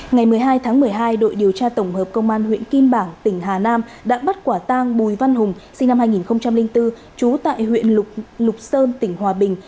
ngày một mươi hai tháng một mươi hai đội điều tra tổng hợp công an huyện kim bảng tỉnh hà nam đã bắt quả tang bùi văn hùng sinh năm hai nghìn bốn trú tại huyện lục sơn tỉnh hòa bình